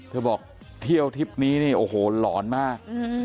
เธอบอกเที่ยวทริปนี้นี่โอ้โหหลอนมาก